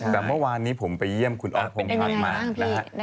กลับเมื่อวานนี้ผมไปเยี่ยมคุณอ๊อฟพงษ์พันธ์มา